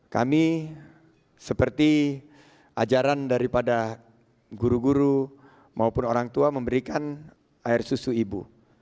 kami seperti ajaran daripada guru guru maupun orang tua memberikan air susu ibu